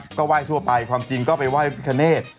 พี่แม่ก็ไหว้ทั่วไปความจริงก็ไปไหว้พิธาเนต